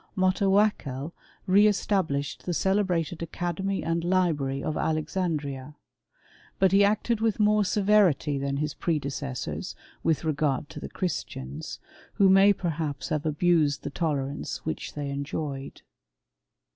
Motawakkel re established the ce lebrated academy and libi*ary of Alexandria. But "C acted with more severity than his predecessors with regard to the Christians, who may perhaps have abused the tolerance which they enjoyed.